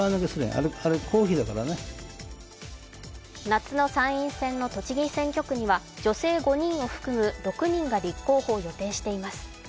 夏の参院選の栃木選挙区には女性５人を含む６人が立候補を予定しています。